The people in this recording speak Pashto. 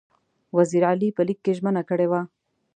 وزیر علي په لیک کې ژمنه کړې وه.